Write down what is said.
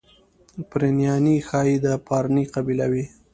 پرنیاني ښایي د پارني قبیله وي.